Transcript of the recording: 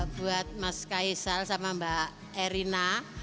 buat mas kaisal sama mbak erina